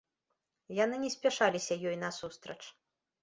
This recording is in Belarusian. Яны не спяшаліся ёй насустрач.